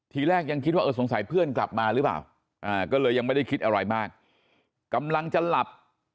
ทีแรกยังคิดว่าเออสงสัยเพื่อนกลับมาหรือเปล่าก็เลยยังไม่ได้คิดอะไรมากกำลังจะหลับ